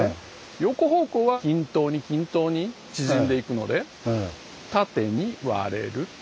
横方向は均等に均等に縮んでいくので縦に割れる。